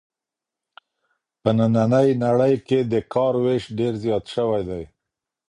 په نننۍ نړۍ کې د کار وېش ډېر زیات سوی دی.